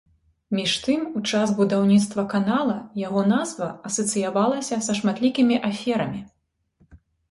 Між тым у час будаўніцтва канала яго назва асацыявалася са шматлікімі аферамі.